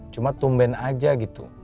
cuma tumben aja gitu